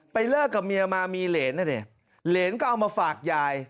ไปเลิกกับเมียมามีเหรียญน่ะเนี่ยเหรียญก็เอามาฝากยาย